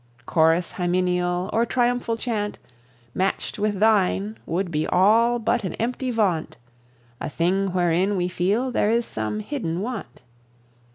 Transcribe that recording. Chorus hymeneal Or triumphal chaunt, Matched with thine, would be all But an empty vaunt A thing wherein we feel there is some hidden want.